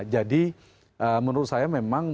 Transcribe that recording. jadi menurut saya memang